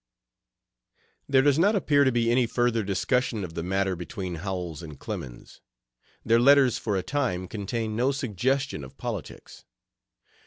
There does not appear to be any further discussion of the matter between Howells and Clemens. Their letters for a time contained no suggestion of politics.